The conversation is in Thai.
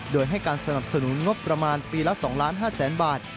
โดยให้การสนับสนุนงบประมาณปีละ๒๕๐๐๐๐บาท